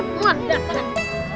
muah udah kanan